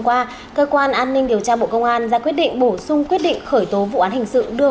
qua cơ quan an ninh điều tra bộ công an ra quyết định bổ sung quyết định khởi tố vụ án hình sự đưa